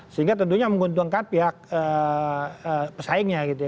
sehingga tentunya menguntungkan pihak pesaingnya gitu ya